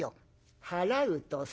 払うとさ。